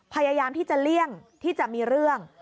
พยายามที่จะเลี่ยงที่จะมีเรื่อง